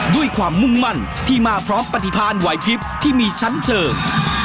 ด้วยความมุ่งมั่นที่มาพร้อมปฏิพันธ์ไหวพลิปที่มีชั้นเชิง